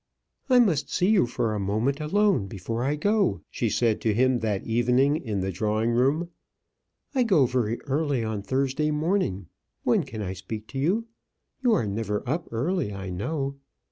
"I must see you for a moment alone, before I go," she said to him that evening in the drawing room. "I go very early on Thursday morning. When can I speak to you? You are never up early, I know."